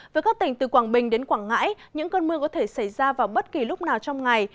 với các tỉnh từ quảng bình đến quảng ngãi những cơn mưa có thể xảy ra vào bất kỳ lúc nào trong ngày